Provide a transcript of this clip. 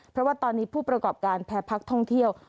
เพราะว่าตอนนี้ผู้ประกอบการแพ้พักท่องเที่ยว